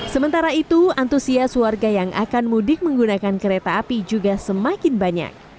sementara itu antusias warga yang akan mudik menggunakan kereta api juga semakin banyak